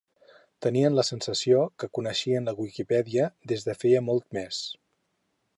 Tenien la sensació que coneixien la Wikipedia des de feia molt més.